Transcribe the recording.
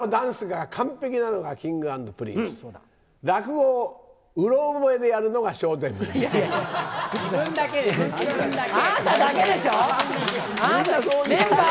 歌とダンスが完璧なのがＫｉｎｇ＆Ｐｒｉｎｃｅ、落語をうろ覚えでやるのが笑点メンバー。